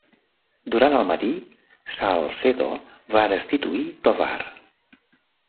Durant el matí, Salcedo va destituir Tovar.